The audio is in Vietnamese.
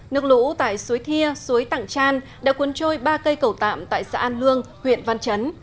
nước lũ tại suối thia suối tặng tràn đã cuốn trôi ba cây cầu tạm tại xã an lương huyện văn chấn